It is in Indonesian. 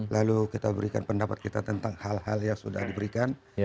lalu kita berikan pendapat kita tentang hal hal yang sudah diberikan